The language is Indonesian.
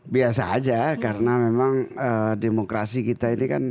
biasa aja karena memang demokrasi kita ini kan